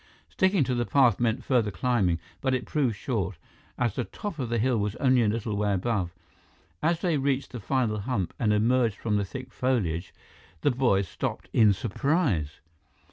Sticking to the path meant further climbing, but it proved short, as the top of the hill was only a little way above. As they reached the final hump and emerged from the thick foliage, the boys stopped in surprise.